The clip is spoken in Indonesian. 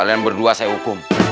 kalian berdua saya hukum